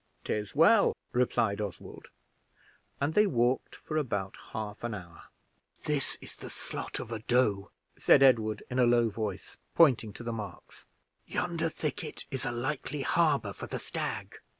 "'Tis well," replied Oswald; and they walked for about half an hour. "This is the slot of a doe," said Edward, in a low voice, pointing to the marks; "yonder thicket is a likely harbor for the stag."